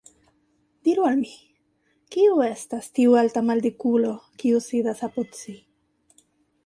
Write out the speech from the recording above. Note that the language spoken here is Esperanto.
Diru al mi, kiu estas tiu alta maldikulo, kiu sidas apud ci?